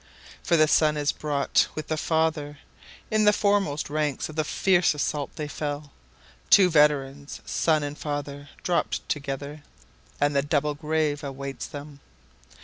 5For the son is brought with the father; In the foremost ranks of the fierce assault they fell; Two veterans, son and father, dropt together, And the double grave awaits them.